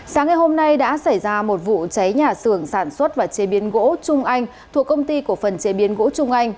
sáng ngày hôm nay đã xảy ra một vụ cháy nhà xưởng sản xuất và chế biến gỗ trung anh thuộc công ty cổ phần chế biến gỗ trung anh